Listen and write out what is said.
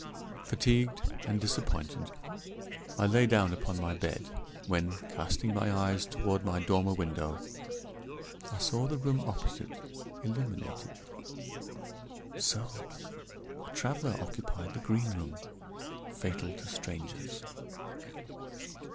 Fatigued and disappointed, I lay down upon my bed, when, casting my eyes toward my dormer window, I saw the room opposite illuminated. So! a traveler occupied the Green Room fatal to strangers.